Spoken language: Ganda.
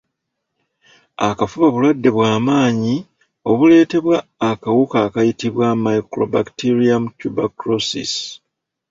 Akafuba bulwadde bwa maanyi obuleetebwa akawuka akayitibwa Mycobacterium Tuberculosis.